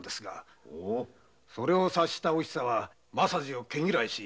それを察したお久は政次を毛嫌いし。